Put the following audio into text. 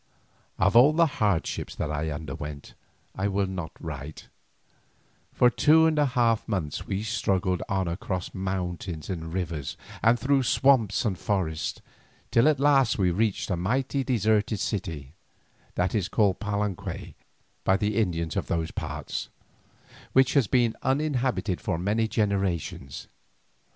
Of all the hardships that I underwent I will not write. For two and a half months we struggled on across mountains and rivers and through swamps and forests, till at last we reached a mighty deserted city, that is called Palenque by the Indians of those parts, which has been uninhabited for many generations.